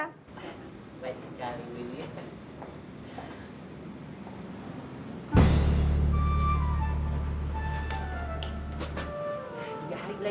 baik sekali ibu ini